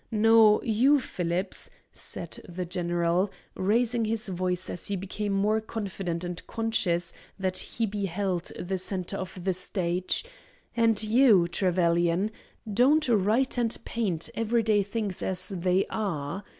No; you, Phillips," said the general, raising his voice as he became more confident and conscious that be held the centre of the stage, "and you, Trevelyan, don't write and paint every day things as they are.